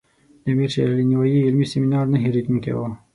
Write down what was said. د امیر علي شیر نوایي علمي سیمینار نه هیریدونکی و.